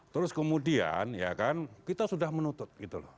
terus kemudian ya kan kita sudah menutup